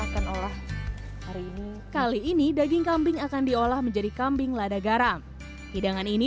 akan olah hari ini kali ini daging kambing akan diolah menjadi kambing lada garam hidangan ini